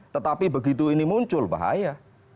tetapi begitu ini muncul bahaya